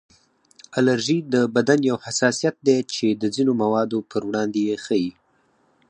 الرژي د بدن یو حساسیت دی چې د ځینو موادو پر وړاندې یې ښیي